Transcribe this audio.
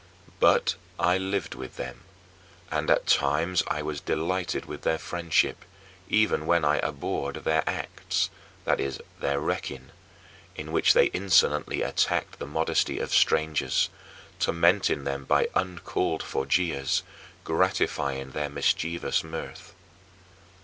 But I lived with them, and at times I was delighted with their friendship, even when I abhorred their acts (that is, their "wrecking") in which they insolently attacked the modesty of strangers, tormenting them by uncalled for jeers, gratifying their mischievous mirth.